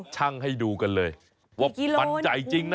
ช่างให้ดูกันเลยมันใหญ่จริงนะ